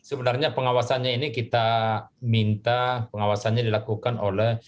sebenarnya pengawasannya ini kita minta pengawasannya dilakukan oleh